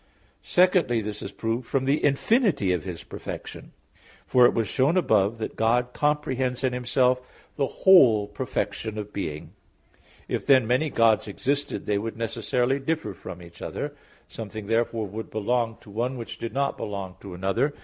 Secondly, this is proved from the infinity of His perfection. For it was shown above (Q. 4, A. 2) that God comprehends in Himself the whole perfection of being. If then many gods existed, they would necessarily differ from each other. Something therefore would belong to one which did not belong to another.